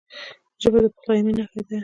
ژبه د پخلاینې نښه ده